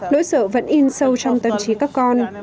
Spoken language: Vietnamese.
nỗi sợ vẫn in sâu trong tâm trí các con